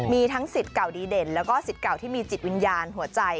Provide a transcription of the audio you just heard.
มีทั้งสิทธิ์เก่าดีเด่นแล้วก็สิทธิ์เก่าที่มีจิตวิญญาณหัวใจ